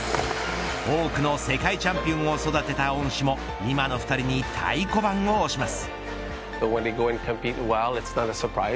多くの世界チャンピオンを育てた恩師も今の２人に太鼓判を押します。